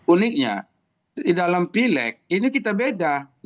uniknya di dalam pileg ini kita beda